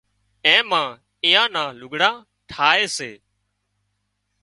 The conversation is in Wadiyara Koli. اين مان ايئان نان لگھڙان ٺاهي سي